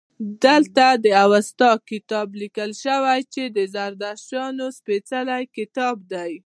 دلته د اوستا کتاب لیکل شوی چې د زردشتیانو سپیڅلی کتاب دی